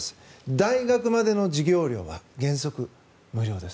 大学までの授業料は原則無料です。